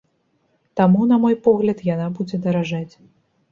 Таму, на мой погляд, яна будзе даражэць.